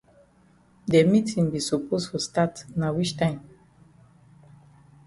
De meetin be suppose for stat na wich time.